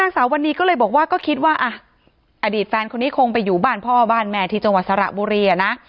สาววันนี้ก็เลยบอกว่าก็คิดว่าอ่ะอดีตแฟนคนนี้คงไปอยู่บ้านพ่อบ้านแม่ที่จังหวัดสระบุรีอ่ะนะ